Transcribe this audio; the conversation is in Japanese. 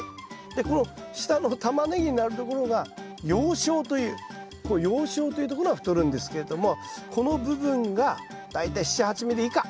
でこの下のタマネギになるところがこの葉鞘というところが太るんですけれどもこの部分が大体７８ｍｍ以下。